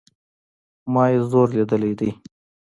ما ئې زور ليدلى دئ